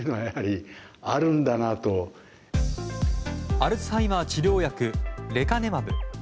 アルツハイマー治療薬レカネマブ。